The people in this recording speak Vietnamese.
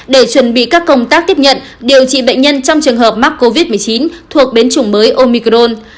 để chuẩn bị các công tác tiếp nhận điều trị bệnh nhân trong trường hợp mắc covid một mươi chín thuộc biến chủng mới omicron